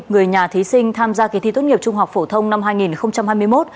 người nhà thí sinh tham gia kỳ thi tốt nghiệp trung học phổ thông năm hai nghìn hai mươi một